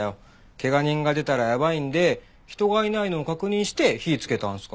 怪我人が出たらやばいんで人がいないのを確認して火つけたんすから。